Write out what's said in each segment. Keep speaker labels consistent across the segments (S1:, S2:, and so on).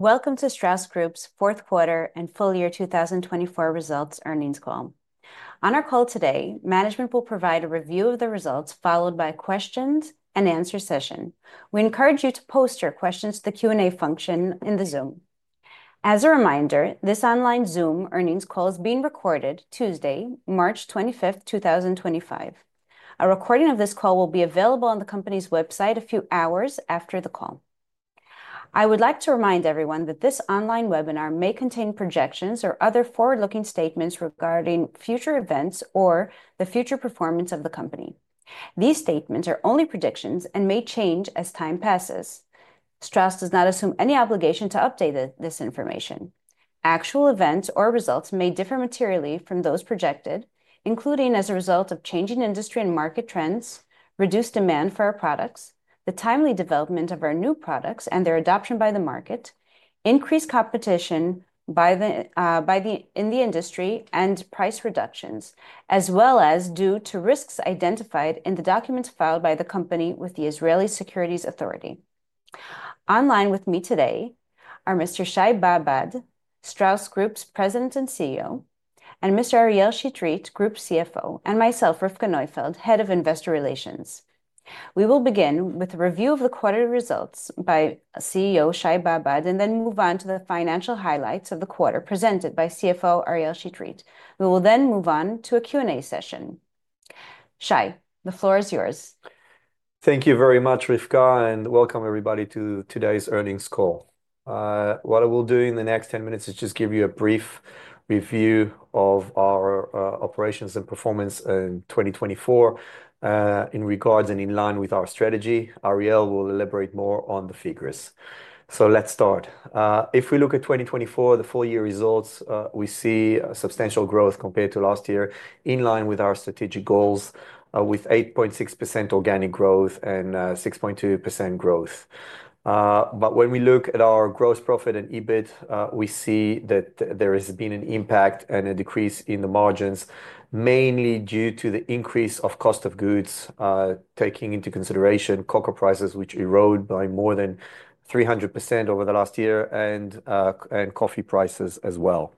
S1: Welcome to Strauss Group's Fourth Quarter and Full Year 2024 Results Earnings Call. On our call today, management will provide a review of the results followed by a questions and answers session. We encourage you to post your questions to the Q&A function in the Zoom. As a reminder, this online Zoom earnings call is being recorded Tuesday, March 25th, 2025. A recording of this call will be available on the company's website a few hours after the call. I would like to remind everyone that this online webinar may contain projections or other forward-looking statements regarding future events or the future performance of the company. These statements are only predictions and may change as time passes. Strauss does not assume any obligation to update this information. Actual events or results may differ materially from those projected, including as a result of changing industry and market trends, reduced demand for our products, the timely development of our new products and their adoption by the market, increased competition in the industry, and price reductions, as well as due to risks identified in the documents filed by the company with the Israel Securities Authority. Online with me today are Mr. Shai Babad, Strauss Group's President and CEO, and Mr. Ariel Chetrit, Group CFO, and myself, Rivka Neufeld, Head of Investor Relations. We will begin with a review of the quarterly results by CEO Shai Babad and then move on to the financial highlights of the quarter presented by CFO Ariel Chetrit. We will then move on to a Q&A session. Shai, the floor is yours.
S2: Thank you very much, Rivka, and welcome everybody to today's earnings call. What I will do in the next 10 minutes is just give you a brief review of our operations and performance in 2024 in regards and in line with our strategy. Ariel will elaborate more on the figures. Let's start. If we look at 2024, the full year results, we see substantial growth compared to last year in line with our strategic goals with 8.6% organic growth and 6.2% growth. When we look at our gross profit and EBIT, we see that there has been an impact and a decrease in the margins mainly due to the increase of cost of goods taking into consideration cocoa prices, which eroded by more than 300% over the last year, and coffee prices as well.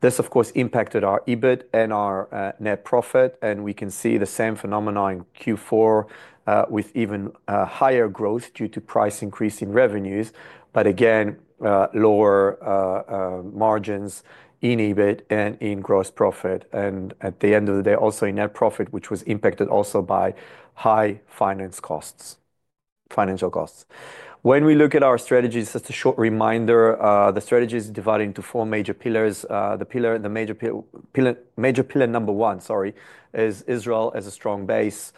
S2: This, of course, impacted our EBIT and our net profit, and we can see the same phenomenon in Q4 with even higher growth due to price increase in revenues, but again, lower margins in EBIT and in gross profit, and at the end of the day, also in net profit, which was impacted also by high financial costs. When we look at our strategies, just a short reminder, the strategy is divided into four major pillars. The major pillar number one, sorry, is Israel as a strong base.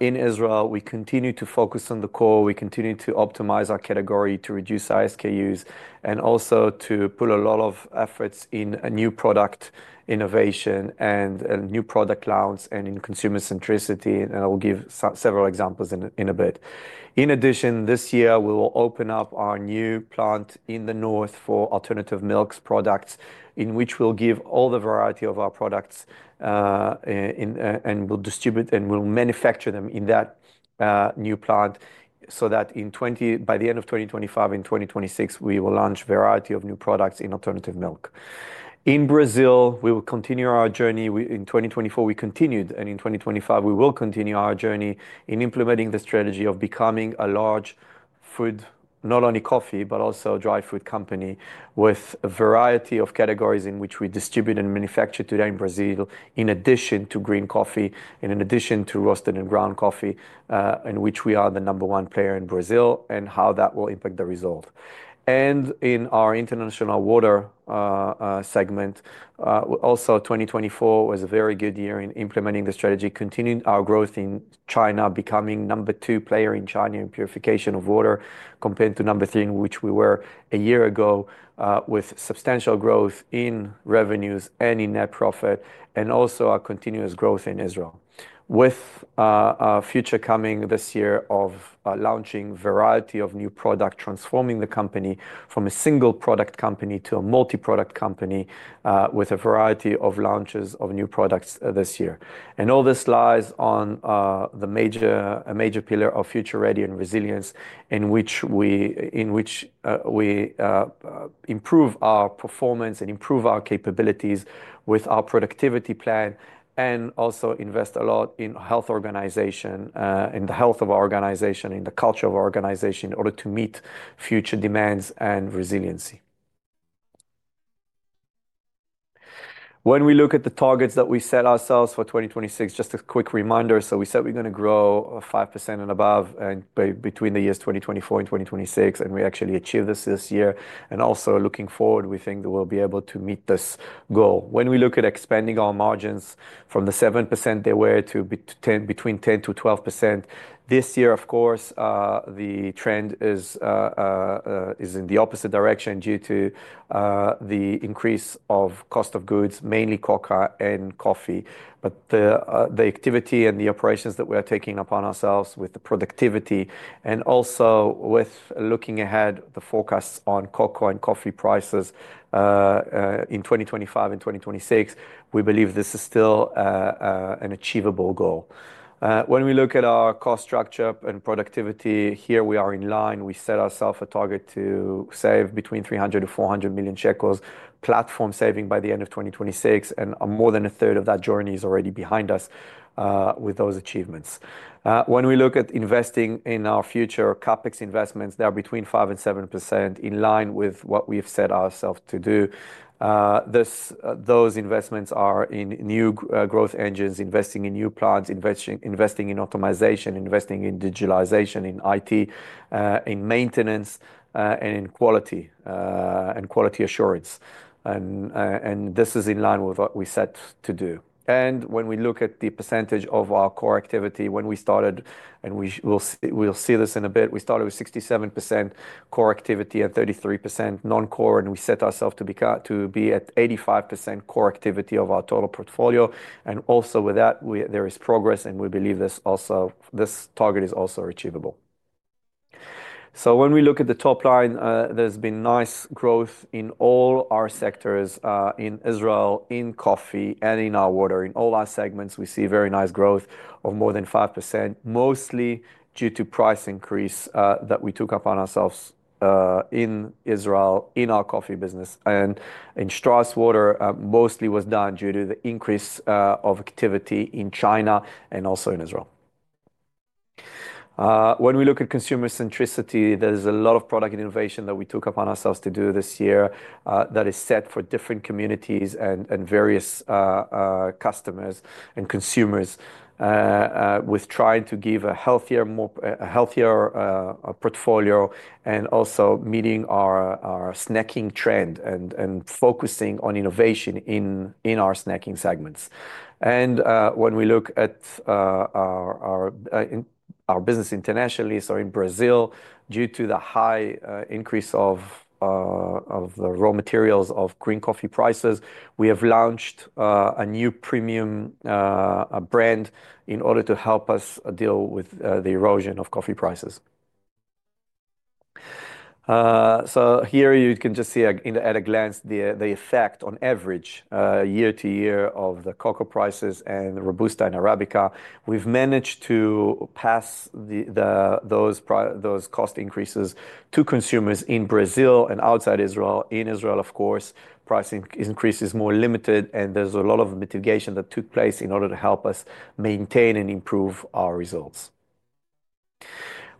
S2: In Israel, we continue to focus on the core. We continue to optimize our category to reduce SKUs and also to put a lot of efforts in new product innovation and new product launches and in consumer centricity. I will give several examples in a bit. In addition, this year, we will open up our new plant in the north for alternative milks products, in which we'll give all the variety of our products and we'll distribute and we'll manufacture them in that new plant so that by the end of 2025 and 2026, we will launch a variety of new products in alternative milk. In Brazil, we will continue our journey. In 2024, we continued, and in 2025, we will continue our journey in implementing the strategy of becoming a large food, not only coffee, but also dry food company with a variety of categories in which we distribute and manufacture today in Brazil, in addition to green coffee, and in addition to roasted and ground coffee, in which we are the number one player in Brazil and how that will impact the result. In our international water segment, 2024 was a very good year in implementing the strategy, continuing our growth in China, becoming the number two player in China in purification of water compared to number three, in which we were a year ago, with substantial growth in revenues and in net profit and also our continuous growth in Israel. A future is coming this year of launching a variety of new products, transforming the company from a single product company to a multi-product company with a variety of launches of new products this year. All this lies on a major pillar of future readiness and resilience in which we improve our performance and improve our capabilities with our productivity plan and also invest a lot in the health of our organization, in the culture of our organization in order to meet future demands and resiliency. When we look at the targets that we set ourselves for 2026, just a quick reminder. We said we're going to grow 5% and above between the years 2024 and 2026, and we actually achieved this this year. Also looking forward, we think that we'll be able to meet this goal. When we look at expanding our margins from the 7% they were to between 10%-12% this year, of course, the trend is in the opposite direction due to the increase of cost of goods, mainly cocoa and coffee. The activity and the operations that we are taking upon ourselves with the productivity and also with looking ahead the forecasts on cocoa and coffee prices in 2025 and 2026, we believe this is still an achievable goal. When we look at our cost structure and productivity here, we are in line. We set ourselves a target to save between 300 million-400 million shekels platform saving by the end of 2026, and more than a third of that journey is already behind us with those achievements. When we look at investing in our future CapEx investments, they're between 5%-7% in line with what we have set ourselves to do. Those investments are in new growth engines, investing in new plants, investing in optimization, investing in digitalization, in IT, in maintenance, and in quality and quality assurance. This is in line with what we set to do. When we look at the percentage of our core activity when we started, and we'll see this in a bit, we started with 67% core activity and 33% non-core, and we set ourselves to be at 85% core activity of our total portfolio. There is progress, and we believe this target is also achievable. When we look at the top line, there has been nice growth in all our sectors in Israel, in coffee, and in our water. In all our segments, we see very nice growth of more than 5%, mostly due to price increase that we took upon ourselves in Israel in our coffee business. In Strauss Water, mostly was done due to the increase of activity in China and also in Israel. When we look at consumer centricity, there is a lot of product innovation that we took upon ourselves to do this year that is set for different communities and various customers and consumers with trying to give a healthier portfolio and also meeting our snacking trend and focusing on innovation in our snacking segments. When we look at our business internationally, in Brazil, due to the high increase of the raw materials of green coffee prices, we have launched a new premium brand in order to help us deal with the erosion of coffee prices. Here you can just see at a glance the effect on average year to year of the cocoa prices and Robusta and Arabica. We've managed to pass those cost increases to consumers in Brazil and outside Israel. In Israel, of course, price increase is more limited, and there's a lot of mitigation that took place in order to help us maintain and improve our results.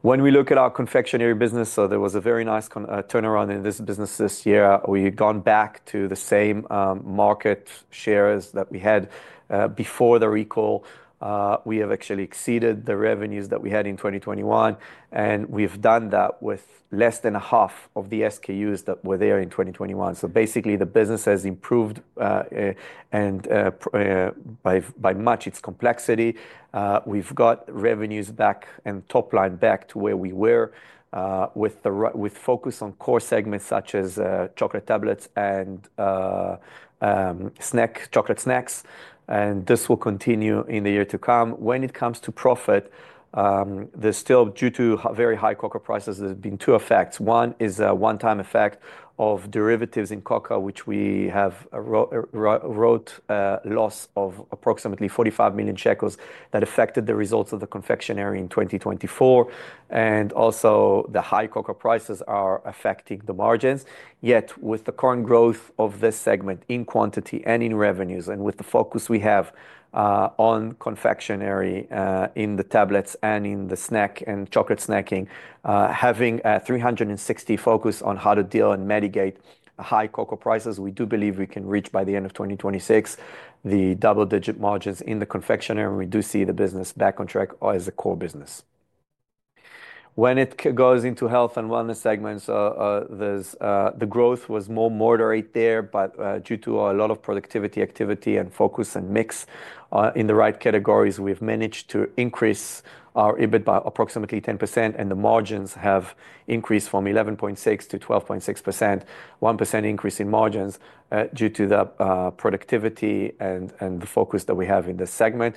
S2: When we look at our confectionery business, there was a very nice turnaround in this business this year. We've gone back to the same market shares that we had before the recall. We have actually exceeded the revenues that we had in 2021, and we've done that with less than half of the SKUs that were there in 2021. Basically, the business has improved by much its complexity. We've got revenues back and top line back to where we were with focus on core segments such as chocolate tablets and chocolate snacks. This will continue in the year to come. When it comes to profit, there's still, due to very high cocoa prices, been two effects. One is a one-time effect of derivatives in cocoa, which we have a wrote loss of approximately 45 million shekels that affected the results of the confectionery in 2024. Also, the high cocoa prices are affecting the margins. Yet with the current growth of this segment in quantity and in revenues and with the focus we have on confectionery in the tablets and in the snack and chocolate snacking, having a 360 focus on how to deal and mitigate high cocoa prices, we do believe we can reach by the end of 2026 the double-digit margins in the confectionery. We do see the business back on track as a core business. When it goes into Health & Wellness segments, the growth was more moderate there, but due to a lot of productivity, activity, and focus and mix in the right categories, we've managed to increase our EBIT by approximately 10%, and the margins have increased from 11.6% to 12.6%, 1% increase in margins due to the productivity and the focus that we have in this segment.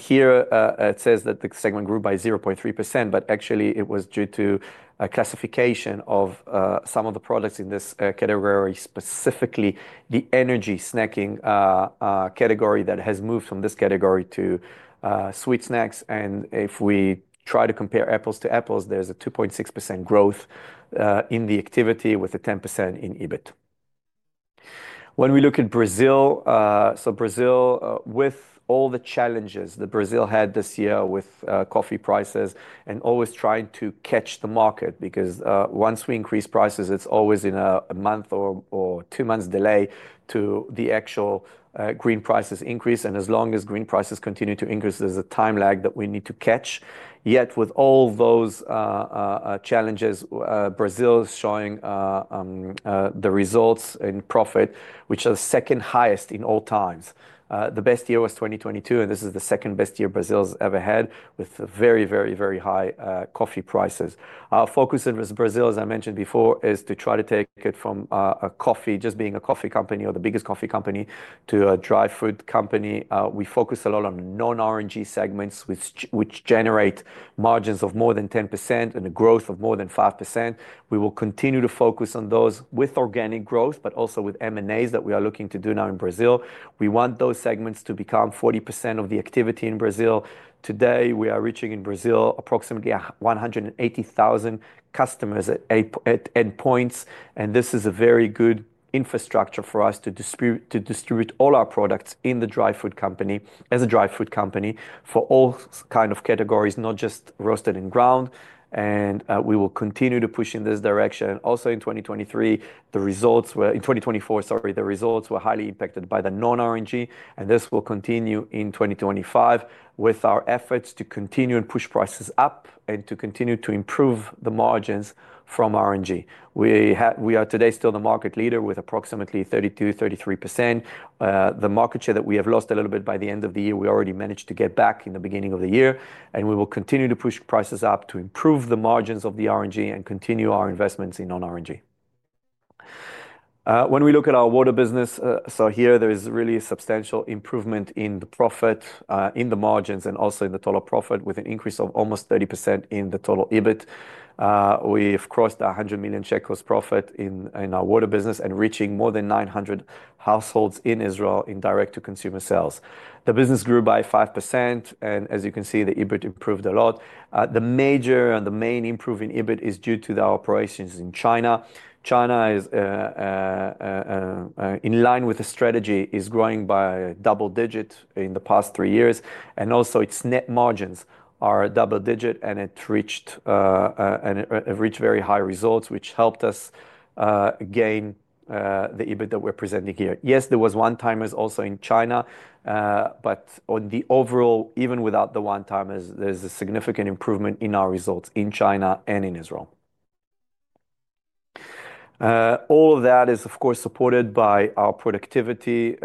S2: Here it says that the segment grew by 0.3%, but actually it was due to a classification of some of the products in this category, specifically the Energy snacking category that has moved from this category to sweet snacks. If we try to compare apples to apples, there is a 2.6% growth in the activity with a 10% in EBIT. When we look at Brazil, Brazil with all the challenges that Brazil had this year with coffee prices and always trying to catch the market because once we increase prices, it is always in a month or two months' delay to the actual green prices increase. As long as green prices continue to increase, there is a time lag that we need to catch. Yet with all those challenges, Brazil is showing the results in profit, which are the second highest in all times. The best year was 2022, and this is the second best year Brazil has ever had with very, very, very high coffee prices. Our focus in Brazil, as I mentioned before, is to try to take it from a coffee, just being a coffee company or the biggest coffee company to a dry food company. We focus a lot on non-R&G segments which generate margins of more than 10% and a growth of more than 5%. We will continue to focus on those with organic growth, but also with M&As that we are looking to do now in Brazil. We want those segments to become 40% of the activity in Brazil. Today, we are reaching in Brazil approximately 180,000 customers at end points. This is a very good infrastructure for us to distribute all our products in the dry food company as a dry food company for all kinds of categories, not just roasted and ground. We will continue to push in this direction. Also, in 2023, the results were—in 2024, sorry, the results were highly impacted by the non-R&G, and this will continue in 2025 with our efforts to continue and push prices up and to continue to improve the margins from R&G. We are today still the market leader with approximately 32%-33%. The market share that we have lost a little bit by the end of the year, we already managed to get back in the beginning of the year. We will continue to push prices up to improve the margins of the R&G and continue our investments in non-R&G. When we look at our water business, there is really a substantial improvement in the profit, in the margins, and also in the total profit with an increase of almost 30% in the total EBIT. We have crossed 100 million shekels profit in our water business and reaching more than 900,000 households in Israel in direct-to-consumer sales. The business grew by 5%, and as you can see, the EBIT improved a lot. The major and the main improving EBIT is due to the operations in China. China is, in line with the strategy, growing by a double digit in the past three years. Also its net margins are a double digit, and it reached very high results, which helped us gain the EBIT that we're presenting here. Yes, there were one-timers also in China, but on the overall, even without the one-timers, there's a significant improvement in our results in China and in Israel. All of that is, of course, supported by our productivity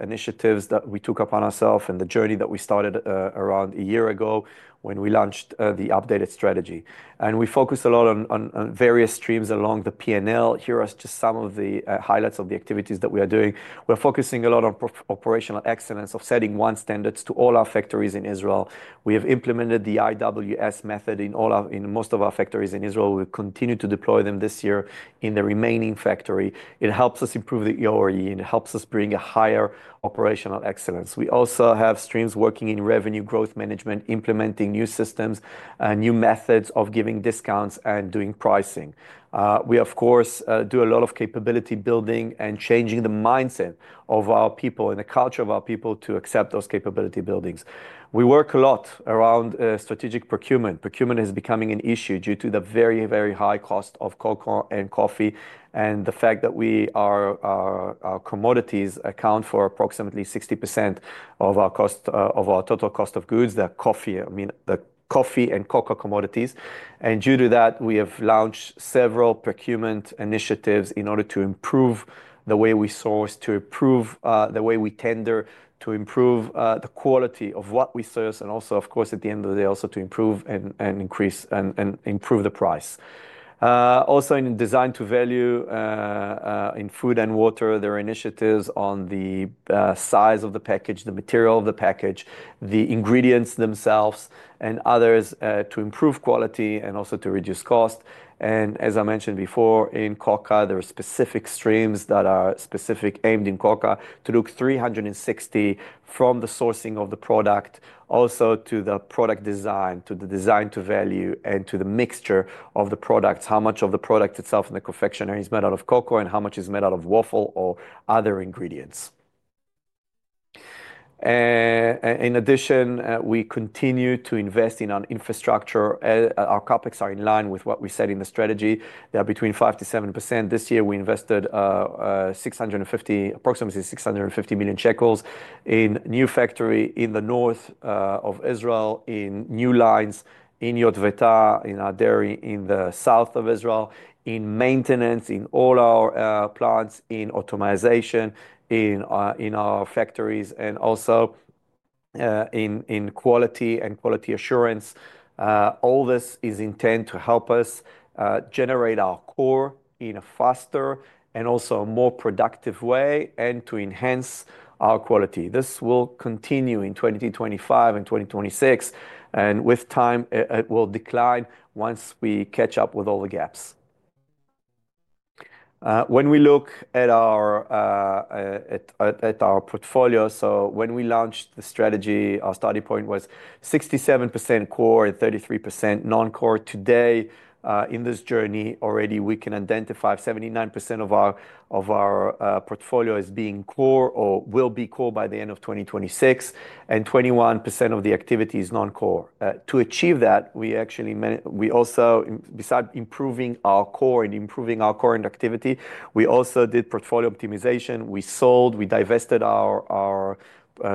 S2: initiatives that we took upon ourselves and the journey that we started around a year ago when we launched the updated strategy. We focus a lot on various streams along the P&L. Here are just some of the highlights of the activities that we are doing. We're focusing a lot on operational excellence of setting one standards to all our factories in Israel. We have implemented the IWS method in most of our factories in Israel. We will continue to deploy them this year in the remaining factory. It helps us improve the OEE. It helps us bring a higher operational excellence. We also have streams working in revenue growth management, implementing new systems, new methods of giving discounts and doing pricing. We, of course, do a lot of capability building and changing the mindset of our people and the culture of our people to accept those capability buildings. We work a lot around strategic procurement. Procurement is becoming an issue due to the very, very high cost of cocoa and coffee and the fact that our commodities account for approximately 60% of our total cost of goods, the coffee and cocoa commodities. Due to that, we have launched several procurement initiatives in order to improve the way we source, to improve the way we tender, to improve the quality of what we source, and also, of course, at the end of the day, also to improve and increase and improve the price. Also in design to value in food and water, there are initiatives on the size of the package, the material of the package, the ingredients themselves, and others to improve quality and also to reduce cost. As I mentioned before, in cocoa, there are specific streams that are specifically aimed in cocoa to look 360 from the sourcing of the product, also to the product design, to the design to value, and to the mixture of the products, how much of the product itself in the confectionery is made out of cocoa and how much is made out of waffle or other ingredients. In addition, we continue to invest in our infrastructure. Our CapEx are in line with what we said in the strategy. They are between 5%-7%. This year, we invested approximately 650 million shekels in new factory in the north of Israel, in new lines in Yotvata, in our dairy in the south of Israel, in maintenance in all our plants, in automization in our factories, and also in quality and quality assurance. All this is intended to help us generate our core in a faster and also a more productive way and to enhance our quality. This will continue in 2025 and 2026, and with time, it will decline once we catch up with all the gaps. When we look at our portfolio, so when we launched the strategy, our starting point was 67% core and 33% non-core. Today, in this journey, already we can identify 79% of our portfolio is being core or will be core by the end of 2026, and 21% of the activity is non-core. To achieve that, we actually also, besides improving our core and improving our core and activity, we also did portfolio optimization. We sold, we divested our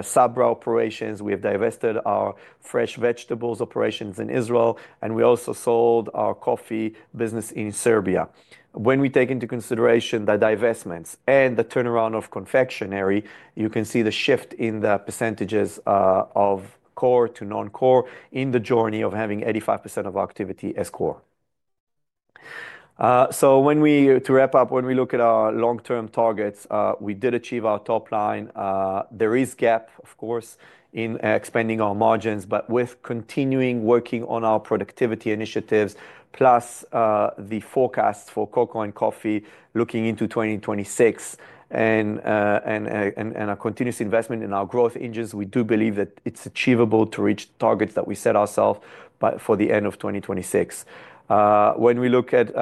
S2: Sabra operations. We have divested our fresh vegetables operations in Israel, and we also sold our coffee business in Serbia. When we take into consideration the divestments and the turnaround of confectionery, you can see the shift in the percentages of core to non-core in the journey of having 85% of activity as core. To wrap up, when we look at our long-term targets, we did achieve our top line. There is gap, of course, in expanding our margins, but with continuing working on our productivity initiatives, plus the forecasts for cocoa and coffee looking into 2026 and our continuous investment in our growth engines, we do believe that it's achievable to reach targets that we set ourselves for the end of 2026. When we look at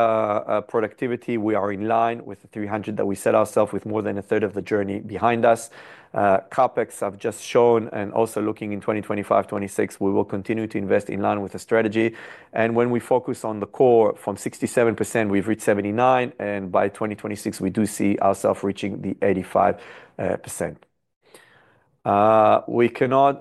S2: productivity, we are in line with the 300 million that we set ourselves with more than a third of the journey behind us. CapEx have just shown, and also looking in 2025, 2026, we will continue to invest in line with the strategy. When we focus on the core from 67%, we've reached 79%, and by 2026, we do see ourselves reaching the 85%. We cannot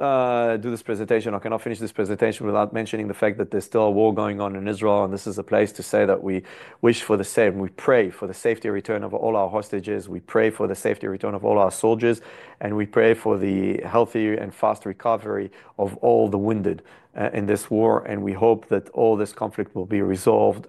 S2: do this presentation, I cannot finish this presentation without mentioning the fact that there's still a war going on in Israel, and this is a place to say that we wish for the same. We pray for the safety return of all our hostages. We pray for the safety return of all our soldiers, and we pray for the healthy and fast recovery of all the wounded in this war. We hope that all this conflict will be resolved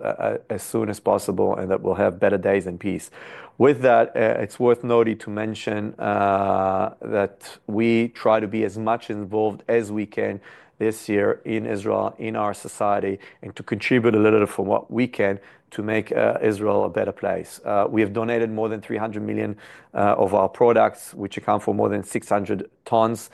S2: as soon as possible and that we'll have better days in peace. With that, it's worth noting to mention that we try to be as much involved as we can this year in Israel, in our society, and to contribute a little bit from what we can to make Israel a better place. We have donated more than 300 million of our products, which account for more than 600 tons.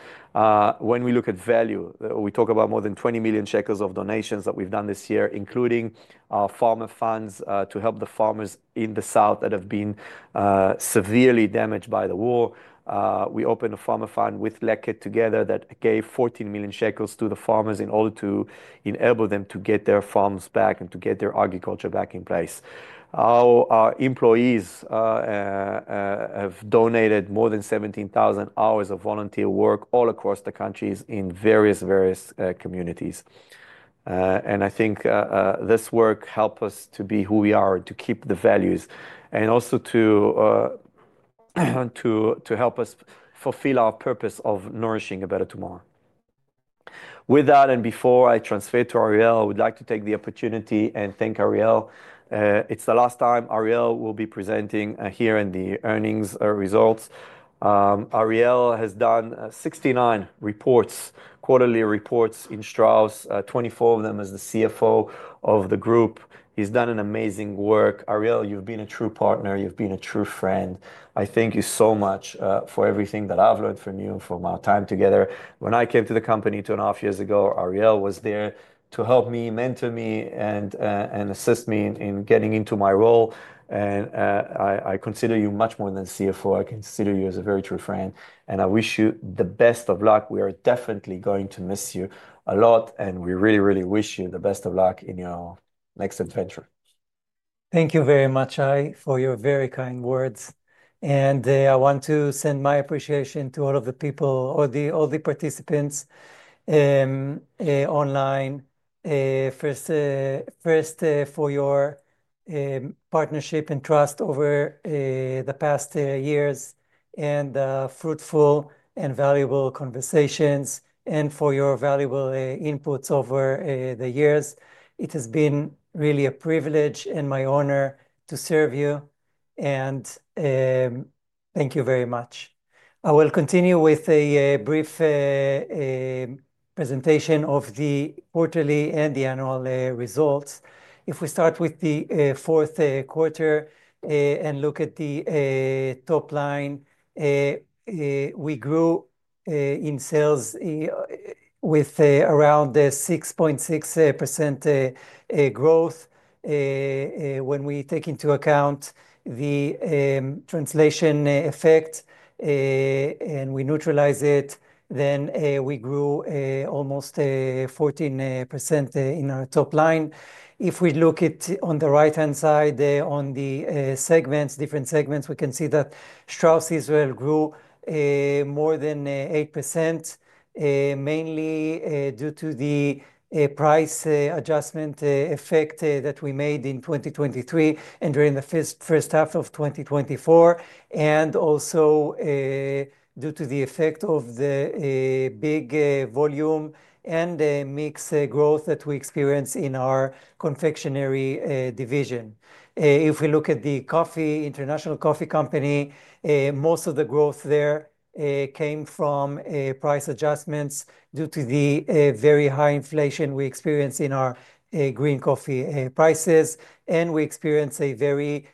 S2: When we look at value, we talk about more than 20 million shekels of donations that we've done this year, including our farmer funds to help the farmers in the south that have been severely damaged by the war. We opened a farmer fund with Leket together that gave 14 million shekels to the farmers in order to enable them to get their farms back and to get their agriculture back in place. Our employees have donated more than 17,000 hours of volunteer work all across the countries in various, various communities. I think this work helps us to be who we are, to keep the values, and also to help us fulfill our purpose of nourishing a better tomorrow. With that, and before I transfer to Ariel, I would like to take the opportunity and thank Ariel. It is the last time Ariel will be presenting here in the earnings results. Ariel has done 69 reports, quarterly reports in Strauss, 24 of them as the CFO of the group. He has done amazing work. Ariel, you have been a true partner. You have been a true friend. I thank you so much for everything that I've learned from you and from our time together. When I came to the company two and a half years ago, Ariel was there to help me, mentor me, and assist me in getting into my role. I consider you much more than CFO. I consider you as a very true friend. I wish you the best of luck. We are definitely going to miss you a lot, and we really, really wish you the best of luck in your next adventure.
S3: Thank you very much, Shai, for your very kind words. I want to send my appreciation to all of the people, all the participants online. First, for your partnership and trust over the past years and fruitful and valuable conversations, and for your valuable inputs over the years. It has been really a privilege and my honor to serve you. Thank you very much. I will continue with a brief presentation of the quarterly and the annual results. If we start with the fourth quarter and look at the top line, we grew in sales with around 6.6% growth. When we take into account the translation effect and we neutralize it, we grew almost 14% in our top line. If we look at on the right-hand side on the segments, different segments, we can see that Strauss Israel grew more than 8%, mainly due to the price adjustment effect that we made in 2023 and during the first half of 2024, and also due to the effect of the big volume and mixed growth that we experienced in our confectionery division. If we look at the coffee, international coffee company, most of the growth there came from price adjustments due to the very high inflation we experienced in our green coffee prices. We experienced a very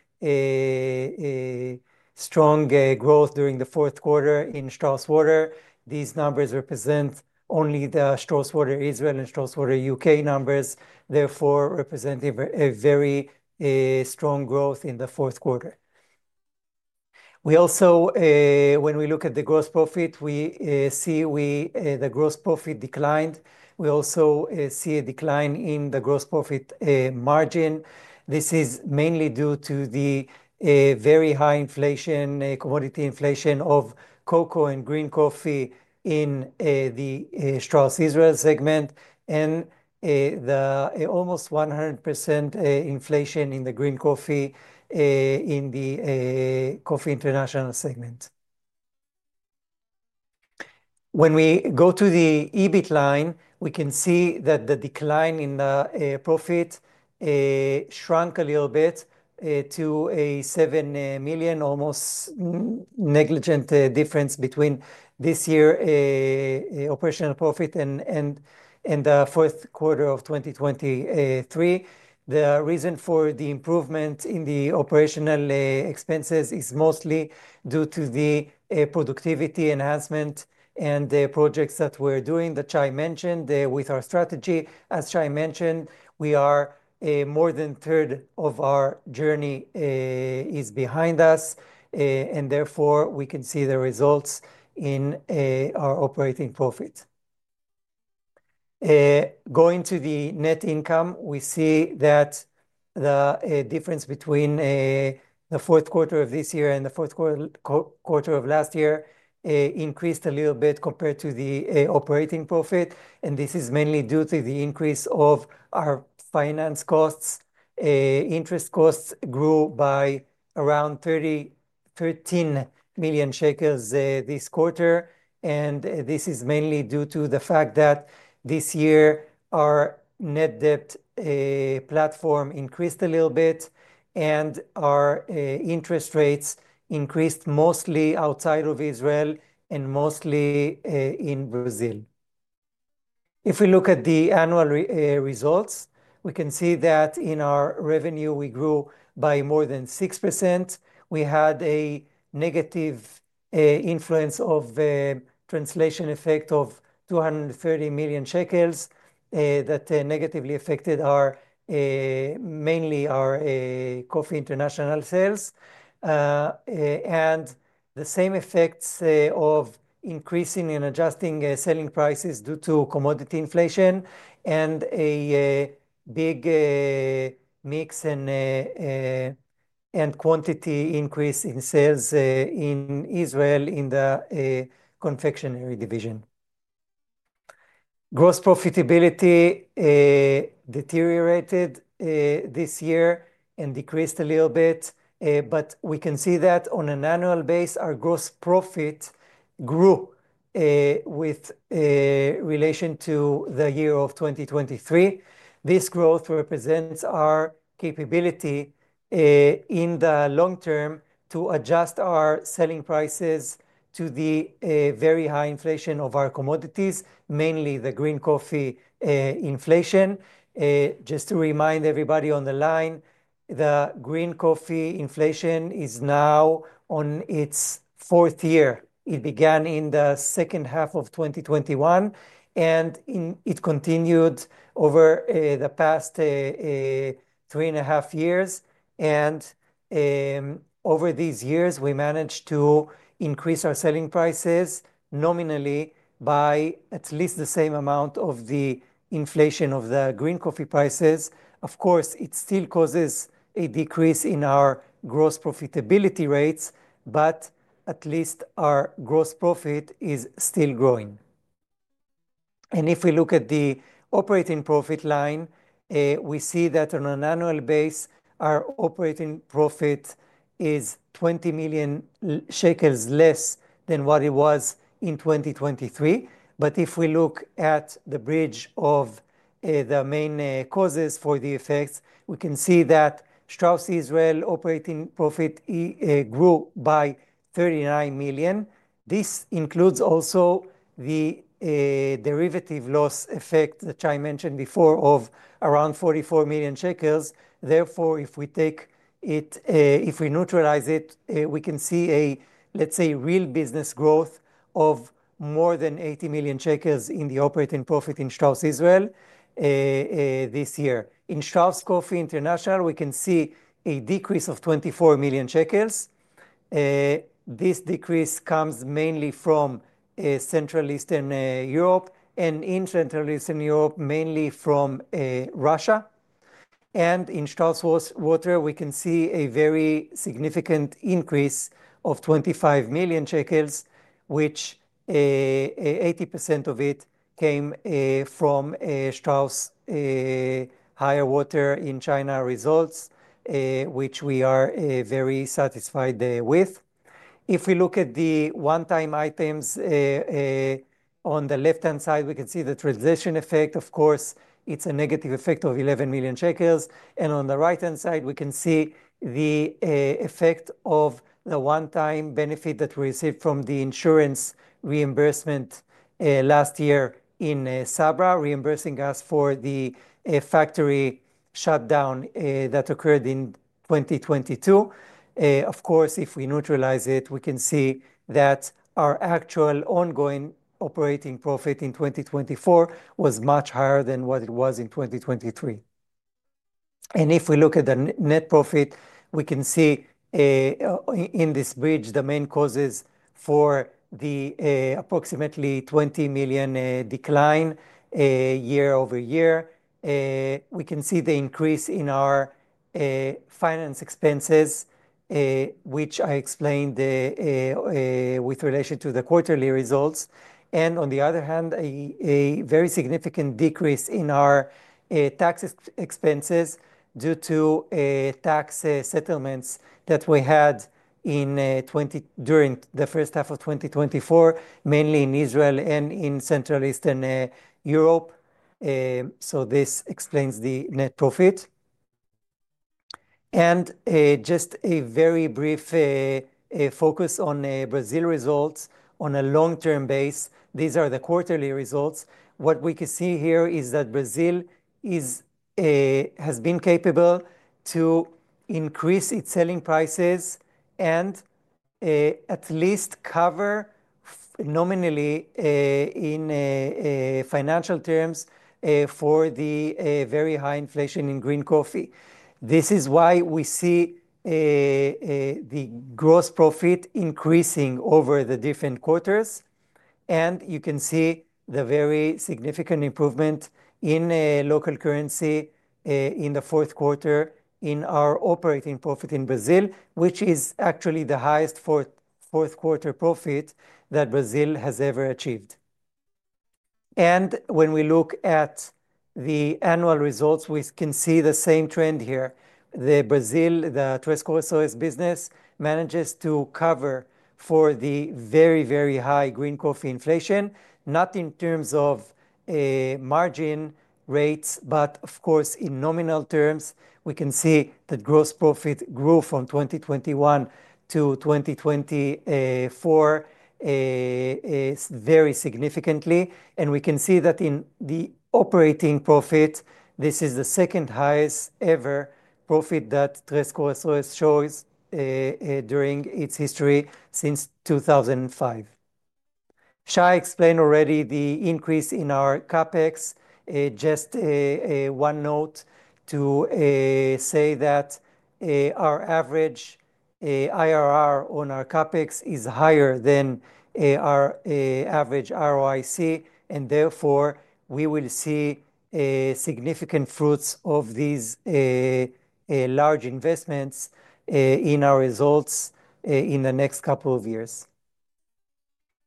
S3: strong growth during the fourth quarter in Strauss Water. These numbers represent only the Strauss Water Israel and Strauss Water U.K. numbers, therefore representing a very strong growth in the fourth quarter. When we look at the gross profit, we see the gross profit declined. We also see a decline in the gross profit margin. This is mainly due to the very high inflation, commodity inflation of cocoa and green coffee in the Strauss Israel segment and the almost 100% inflation in the green coffee in the coffee international segment. When we go to the EBIT line, we can see that the decline in the profit shrank a little bit to a 7 million, almost negligent difference between this year's operational profit and the fourth quarter of 2023. The reason for the improvement in the operational expenses is mostly due to the productivity enhancement and the projects that we're doing that Shai mentioned with our strategy. As Shai mentioned, we are more than a third of our journey is behind us, and therefore we can see the results in our operating profit. Going to the net income, we see that the difference between the fourth quarter of this year and the fourth quarter of last year increased a little bit compared to the operating profit. This is mainly due to the increase of our finance costs. Interest costs grew by around 13 million shekels this quarter. This is mainly due to the fact that this year our net debt platform increased a little bit and our interest rates increased mostly outside of Israel and mostly in Brazil. If we look at the annual results, we can see that in our revenue, we grew by more than 6%. We had a negative influence of the translation effect of 230 million shekels that negatively affected mainly our coffee international sales. The same effects of increasing and adjusting selling prices due to commodity inflation and a big mix and quantity increase in sales in Israel in the confectionery division. Gross profitability deteriorated this year and decreased a little bit, but we can see that on an annual base, our gross profit grew with relation to the year of 2023. This growth represents our capability in the long term to adjust our selling prices to the very high inflation of our commodities, mainly the green coffee inflation. Just to remind everybody on the line, the green coffee inflation is now on its fourth year. It began in the second half of 2021, and it continued over the past three and a half years. Over these years, we managed to increase our selling prices nominally by at least the same amount of the inflation of the green coffee prices. Of course, it still causes a decrease in our gross profitability rates, but at least our gross profit is still growing. If we look at the operating profit line, we see that on an annual base, our operating profit is 20 million shekels less than what it was in 2023. If we look at the bridge of the main causes for the effects, we can see that Strauss Israel operating profit grew by 39 million. This includes also the derivative loss effect that Shai mentioned before of around 44 million shekels. Therefore, if we take it, if we neutralize it, we can see a, let's say, real business growth of more than 80 million shekels in the operating profit in Strauss Israel this year. In Strauss Coffee International, we can see a decrease of 24 million shekels. This decrease comes mainly from Central Eastern Europe and in Central Eastern Europe, mainly from Russia. In Strauss Water, we can see a very significant increase of 25 million shekels, which 80% of it came from Strauss Water in China results, which we are very satisfied with. If we look at the one-time items on the left-hand side, we can see the translation effect. Of course, it's a negative effect of 11 million shekels. On the right-hand side, we can see the effect of the one-time benefit that we received from the insurance reimbursement last year in Sabra, reimbursing us for the factory shutdown that occurred in 2022. Of course, if we neutralize it, we can see that our actual ongoing operating profit in 2024 was much higher than what it was in 2023. If we look at the net profit, we can see in this bridge the main causes for the approximately ILS 20 million decline year-over-year. We can see the increase in our finance expenses, which I explained with relation to the quarterly results. On the other hand, a very significant decrease in our tax expenses due to tax settlements that we had during the first half of 2024, mainly in Israel and in Central Eastern Europe. This explains the net profit. Just a very brief focus on Brazil results on a long-term base. These are the quarterly results. What we can see here is that Brazil has been capable to increase its selling prices and at least cover nominally in financial terms for the very high inflation in green coffee. This is why we see the gross profit increasing over the different quarters. You can see the very significant improvement in local currency in the fourth quarter in our operating profit in Brazil, which is actually the highest fourth quarter profit that Brazil has ever achieved. When we look at the annual results, we can see the same trend here. The Brazil, the Três Corações business manages to cover for the very, very high green coffee inflation, not in terms of margin rates, but of course, in nominal terms, we can see that gross profit grew from 2021 to 2024 very significantly. We can see that in the operating profit, this is the second highest ever profit that Três Corações shows during its history since 2005. Shai explained already the increase in our CapEx. Just one note to say that our average IRR on our CapEx is higher than our average ROIC, and therefore we will see significant fruits of these large investments in our results in the next couple of years.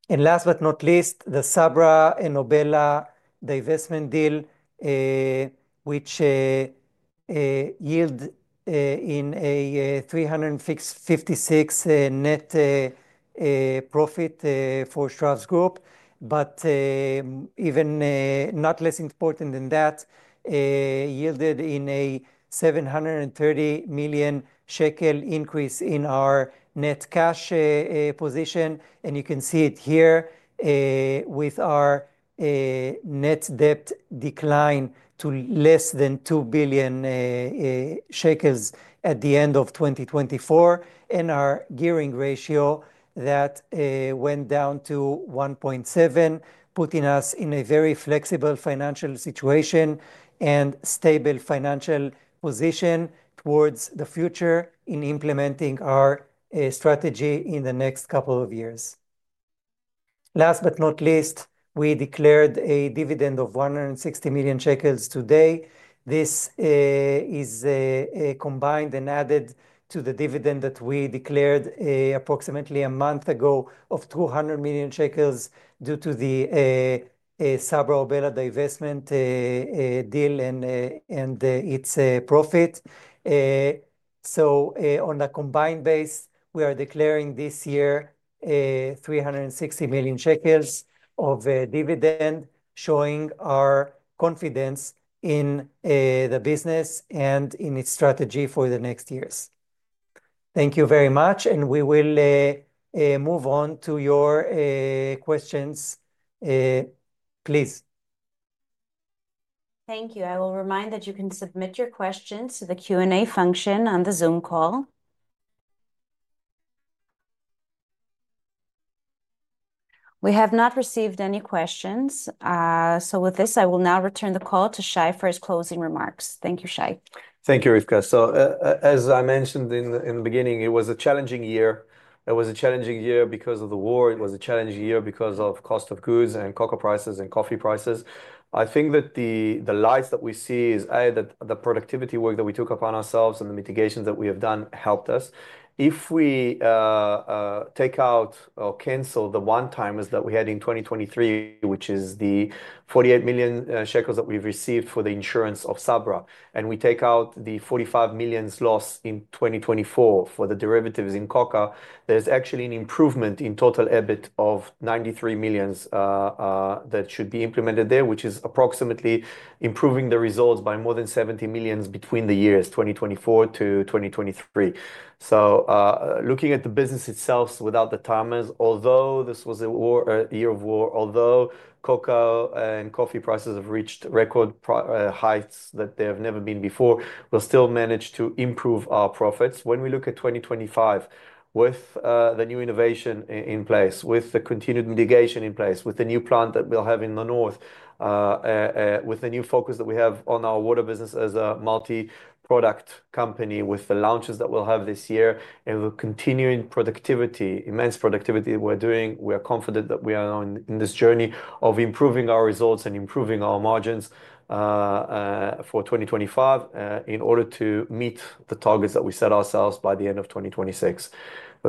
S3: Last but not least, the Sabra and Obela divestment deal, which yielded a 356 million net profit for Strauss Group, but even not less important than that, yielded a 730 million shekel increase in our net cash position. You can see it here with our net debt decline to less than 2 billion shekels at the end of 2024 and our gearing ratio that went down to 1.7x, putting us in a very flexible financial situation and stable financial position towards the future in implementing our strategy in the next couple of years. Last but not least, we declared a dividend of 160 million shekels today. This is combined and added to the dividend that we declared approximately a month ago of 200 million shekels due to the Sabra Obela divestment deal and its profit. On a combined base, we are declaring this year 360 million shekels of dividend, showing our confidence in the business and in its strategy for the next years. Thank you very much, and we will move on to your questions, please.
S1: Thank you. I will remind that you can submit your questions to the Q&A function on the Zoom call. We have not received any questions. With this, I will now return the call to Shai for his closing remarks. Thank you, Shai.
S2: Thank you, Rivka. As I mentioned in the beginning, it was a challenging year. It was a challenging year because of the war. It was a challenging year because of cost of goods and cocoa prices and coffee prices. I think that the lights that we see is that the productivity work that we took upon ourselves and the mitigations that we have done helped us. If we take out or cancel the one-timers that we had in 2023, which is the 48 million shekels that we've received for the insurance of Sabra, and we take out the 45 million loss in 2024 for the derivatives in cocoa, there's actually an improvement in total EBIT of 93 million that should be implemented there, which is approximately improving the results by more than 70 million between the years 2024 to 2023. Looking at the business itself without the timers, although this was a year of war, although cocoa and coffee prices have reached record heights that they have never been before, we'll still manage to improve our profits. When we look at 2025 with the new innovation in place, with the continued mitigation in place, with the new plant that we'll have in the north, with the new focus that we have on our water business as a multi-product company, with the launches that we'll have this year, and the continuing productivity, immense productivity that we're doing, we are confident that we are in this journey of improving our results and improving our margins for 2025 in order to meet the targets that we set ourselves by the end of 2026.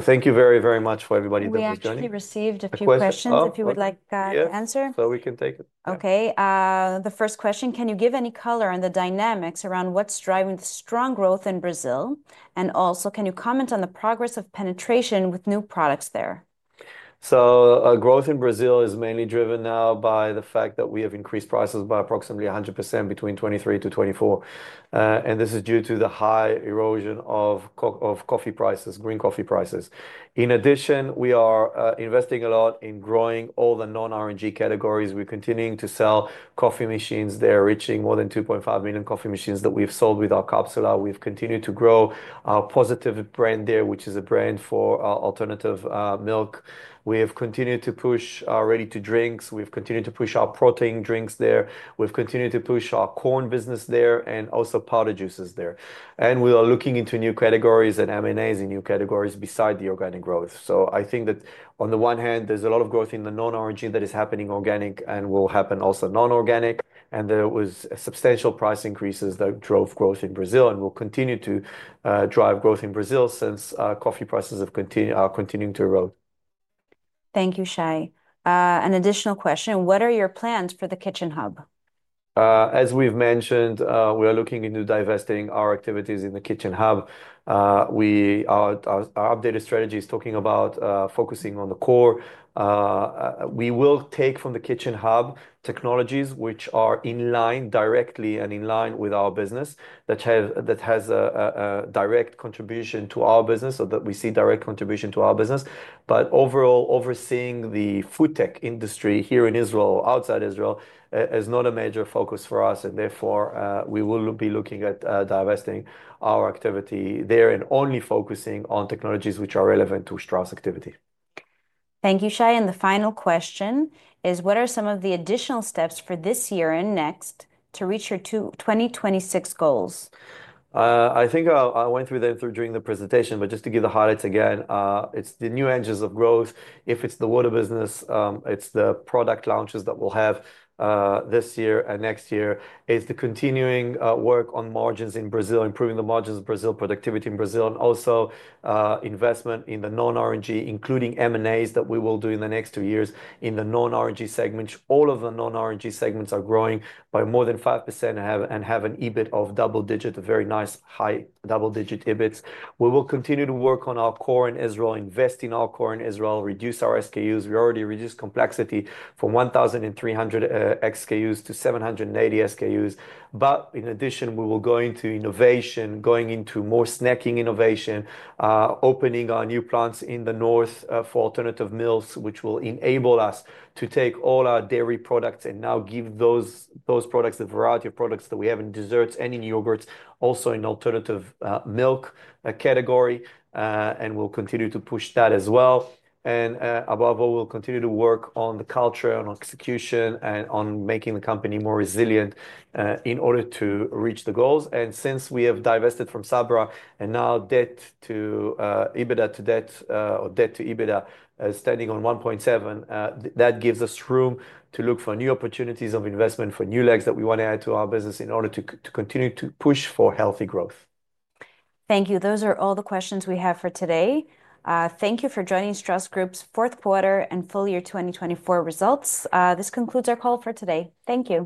S2: Thank you very, very much for everybody that was joining.
S1: We actually received a few questions if you would like to answer.
S2: We can take it.
S1: Okay. The first question, can you give any color on the dynamics around what's driving the strong growth in Brazil? Can you comment on the progress of penetration with new products there?
S2: Growth in Brazil is mainly driven now by the fact that we have increased prices by approximately 100% between 2023 to 2024. This is due to the high erosion of coffee prices, green coffee prices. In addition, we are investing a lot in growing all the non-R&G categories. We are continuing to sell coffee machines there, reaching more than 2.5 million coffee machines that we have sold with our capsule. We have continued to grow our positive brand there, which is a brand for alternative milk. We have continued to push our ready-to-drinks. We have continued to push our protein drinks there. We have continued to push our corn business there and also powder juices there. We are looking into new categories and M&As in new categories beside the organic growth. I think that on the one hand, there's a lot of growth in the non-R&G that is happening organic and will happen also non-organic. There were substantial price increases that drove growth in Brazil and will continue to drive growth in Brazil since coffee prices are continuing to erode.
S1: Thank you, Shai. An additional question, what are your plans for the Kitchen Hub?
S2: As we've mentioned, we are looking into divesting our activities in the Kitchen Hub. Our updated strategy is talking about focusing on the core. We will take from the Kitchen Hub technologies which are in line directly and in line with our business, that has a direct contribution to our business, so that we see direct contribution to our business. Overall, overseeing the food tech industry here in Israel or outside Israel is not a major focus for us. Therefore, we will be looking at divesting our activity there and only focusing on technologies which are relevant to Strauss activity.
S1: Thank you, Shai. The final question is, what are some of the additional steps for this year and next to reach your 2026 goals?
S2: I think I went through them during the presentation, but just to give the highlights again, it is the new engines of growth. If it is the water business, it is the product launches that we will have this year and next year. It is the continuing work on margins in Brazil, improving the margins of Brazil, productivity in Brazil, and also investment in the non-R&G, including M&As that we will do in the next two years in the non-R&G segment. All of the non-R&G segments are growing by more than 5% and have an EBIT of double digit, a very nice high double digit EBITs. We will continue to work on our core in Israel, invest in our core in Israel, reduce our SKUs. We already reduced complexity from 1,300 SKUs to 780 SKUs. In addition, we will go into innovation, going into more snacking innovation, opening our new plants in the north for alternative milks, which will enable us to take all our dairy products and now give those products the variety of products that we have in desserts, and in yogurts, also in alternative milk category. We will continue to push that as well. Above all, we will continue to work on the culture and on execution and on making the company more resilient in order to reach the goals. Since we have divested from Sabra and now debt to EBITDA is standing on 1.7x, that gives us room to look for new opportunities of investment for new legs that we want to add to our business in order to continue to push for healthy growth.
S1: Thank you. Those are all the questions we have for today. Thank you for joining Strauss Group's fourth quarter and full year 2024 results. This concludes our call for today. Thank you.